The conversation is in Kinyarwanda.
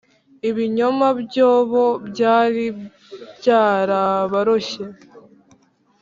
ibinyoma byabo byari byarabaroshye,